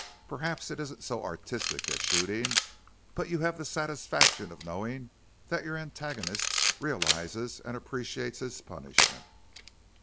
Perhaps it isn't so artistic as shooting, but you have the satisfaction of knowing that your antagonist realizes and appreciates his punishment."